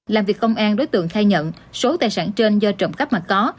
làm việc công an đối tượng khai nhận số tài sản trên do trộm cắp mà có